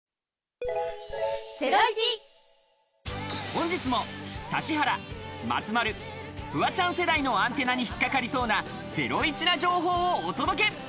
本日も指原、松丸、フワちゃん世代のアンテナにひっかかりそうな、ゼロイチな情報をお届け。